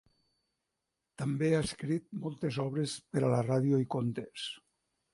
També ha escrit moltes obres per a la ràdio i contes.